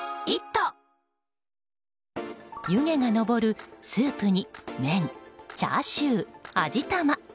湯気が上るスープに、麺チャーシュー、味玉。